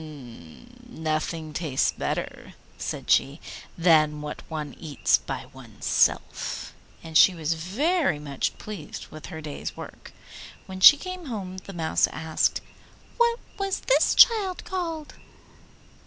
'Nothing tastes better,' said she, 'than what one eats by oneself,' and she was very much pleased with her day's work. When she came home the Mouse asked, 'What was this child called?